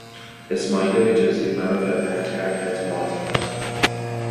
اسماعیل حجازی مرا در پنج حرکت مات کرد.